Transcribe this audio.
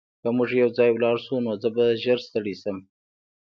که موږ یوځای لاړ شو نو زه به ژر ستړی شم